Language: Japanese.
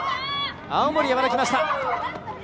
青森山田、きました。